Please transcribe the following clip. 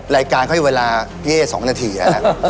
รายการเขาให้เวลาเย่๒นาทีอ่ะ